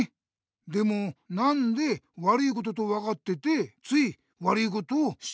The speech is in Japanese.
でもなんで悪いこととわかっててつい悪いことをしちゃうんだろう？